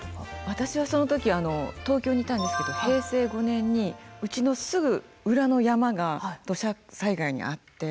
私はその時東京にいたんですけど平成５年にうちのすぐ裏の山が土砂災害に遭って。